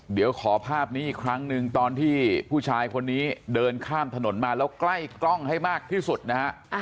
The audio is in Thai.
เดี๋ยวขอภาพนี้อีกครั้งหนึ่งตอนที่ผู้ชายคนนี้เดินข้ามถนนมาแล้วใกล้กล้องให้มากที่สุดนะฮะ